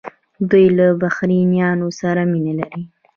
دوی له بهرنیانو سره مینه لري.